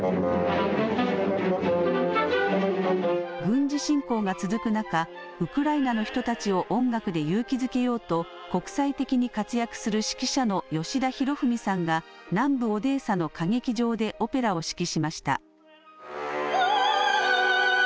軍事侵攻が続く中、ウクライナの人たちを音楽で勇気づけようと国際的に活躍する指揮者の吉田裕史さんが南部オデーサの歌劇場でオペラを指揮しました。